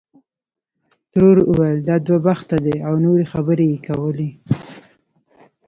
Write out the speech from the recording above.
ترور ویل دا دوه بخته دی او نورې خبرې یې کولې.